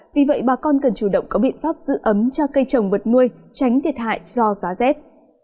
vì vậy bà con cần chủ động có biện pháp giữ ấm cho cây trồng vật nuôi tránh thiệt hại do giá rét